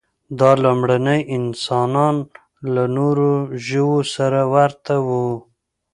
دا لومړني انسانان له نورو ژوو سره ورته وو.